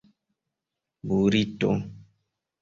burito